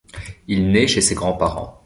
Il naît chez ses grands-parents.